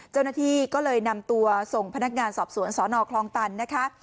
เจ้าหน้าที่ก็เลยนำตัวส่งพนักงานสอบสวนสนคลองตันนะคะ